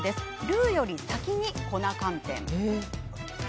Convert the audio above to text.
ルーより先に粉寒天。